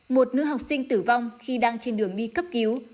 một nữ học sinh tử vong khi đang trên đường đi cấp cứu